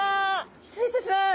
失礼いたします。